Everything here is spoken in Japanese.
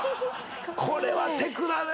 これはテクだね！